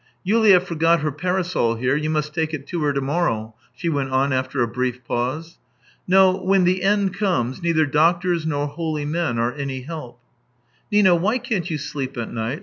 Yulia forgot her parasol here; you must take it to her to morrow," she went on after a brief pause. " No, when the end comes, neither doctors nor holy men are any help." " Nina, why can't you sleep at night